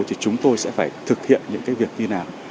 thì chúng tôi sẽ phải thực hiện những cái việc như nào